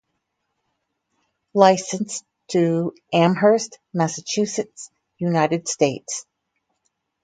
Licensed to Amherst, Massachusetts, United States.